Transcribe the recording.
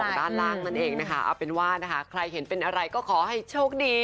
แล้วก็๒ด้านล่างมันเองนะคะเอาเป็นว่าใครเห็นเป็นอะไรก็ขอให้โชคดี